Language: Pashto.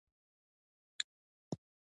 تاریخي تحولاتو نتیجه کې خپلې کړې دي